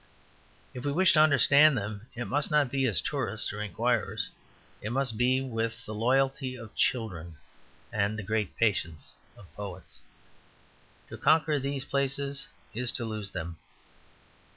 If we wish to understand them it must not be as tourists or inquirers, it must be with the loyalty of children and the great patience of poets. To conquer these places is to lose them.